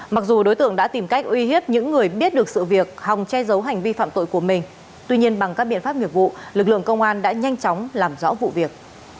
mặc dù đối tượng đã tìm cách uy hiếp những người biết được sự việc hòng che giấu hành vi phạm tội của mình tuy nhiên bằng các biện pháp nghiệp vụ lực lượng công an đã nhanh chóng làm rõ vụ việc